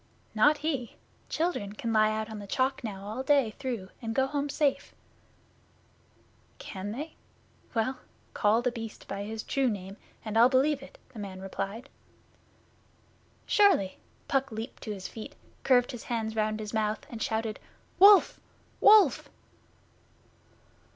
'Not he. Children can lie out on the Chalk now all day through and go home safe.' 'Can they? Well, call The Beast by his True Name, and I'll believe it,' the man replied. 'Surely!' Puck leaped to his feet, curved his hands round his mouth and shouted: 'Wolf! Wolf!